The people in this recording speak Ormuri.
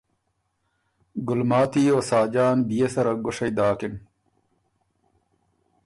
ګلماتی او خاجان بيې سره ګُوشئ داکِن۔